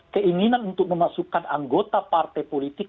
keinginan untuk memasukkan anggota partai politik